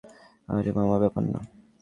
আরে মামা, ব্যাপার না।